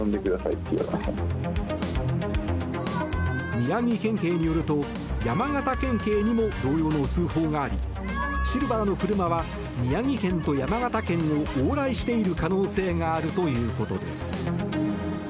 宮城県警によると山形県警にも同様の通報がありシルバーの車は宮城県と山形県を往来している可能性があるということです。